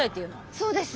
そうです。